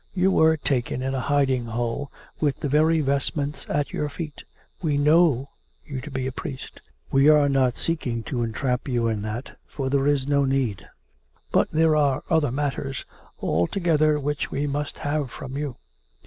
You were taken in a hiding hole with the very vestments at your feet. We know you to be a priest. We are not seeking to entrap you in that, for there is no need. But there are other mat ters altogether which we must have from you.